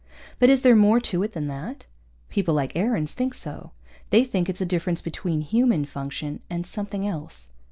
But is there more to it than that? People like Aarons think so. They think it's a difference between human function and something else.